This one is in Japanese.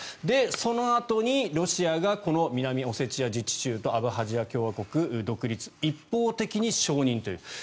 で、そのあとにロシアがこの南オセチア自治州とアブハジア共和国の独立を一方的に承認という。